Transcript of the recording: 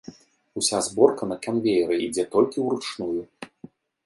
Уся зборка на канвееры ідзе толькі ўручную.